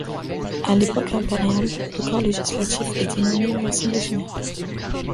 À l'époque impériale, le corps législatif était nommé Assemblée générale.